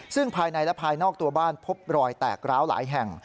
ซึ่งภายในและภายนอกตัวบ้านพบรอยแตกร้าวหลายแห่ง